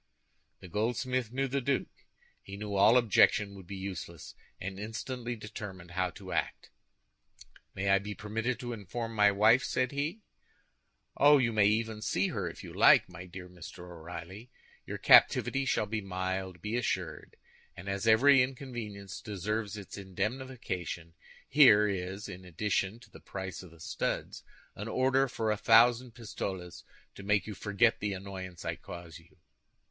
The goldsmith knew the duke. He knew all objection would be useless, and instantly determined how to act. "May I be permitted to inform my wife?" said he. "Oh, you may even see her if you like, my dear Mr. O'Reilly. Your captivity shall be mild, be assured; and as every inconvenience deserves its indemnification, here is, in addition to the price of the studs, an order for a thousand pistoles, to make you forget the annoyance I cause you."